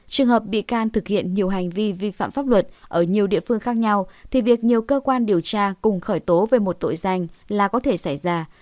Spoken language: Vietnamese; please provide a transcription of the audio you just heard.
trường hợp bị can thực hiện nhiều hành vi vi phạm pháp luật ở nhiều địa phương khác nhau thì việc nhiều cơ quan điều tra cùng khởi tố về một tội danh là có thể xảy ra